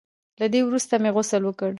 له دې وروسته مې غسل وکړ.